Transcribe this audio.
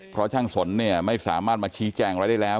เพราะช่างสนเนี่ยไม่สามารถมาชี้แจงอะไรได้แล้ว